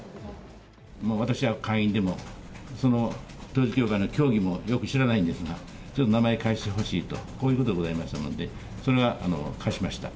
私は会員でも、統一教会の教義もよく知らないんですが、ちょっと名前貸してほしいと、こういうことがございましたので、それは貸しました。